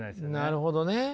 なるほどね。